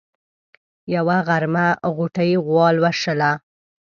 يوه غرمه غوټۍ غوا لوشله.